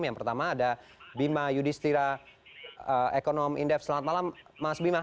yang pertama ada bima yudhistira ekonom indef selamat malam mas bima